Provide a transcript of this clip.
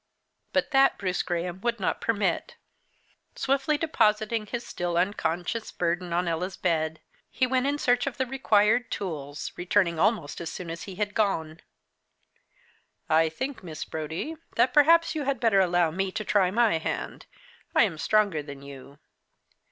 But that Bruce Graham would not permit. Swiftly depositing his still unconscious burden on Ella's bed, he went in search of the required tools, returning almost as soon as he had gone. "I think, Miss Brodie, that perhaps you had better allow me to try my hand. I am stronger than you."